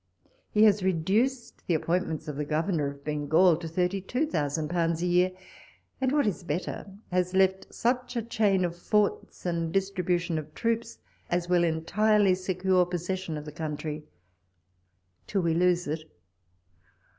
He has redueed the appointments of the Governor of Bengal to thirty two thou sand pounds a year ; and, what is better, has left such a chain of forts and distribution of troops as will entirely secure possession of the 126 walpole's letters. country — till we lose it.